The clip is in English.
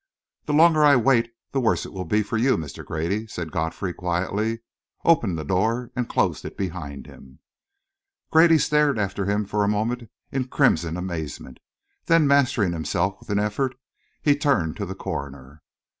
"The longer I wait, the worse it will be for you, Mr. Grady," said Godfrey quietly, opened the door and closed it behind him. Grady stared after him for a moment in crimson amazement. Then, mastering himself with an effort, he turned to the coroner.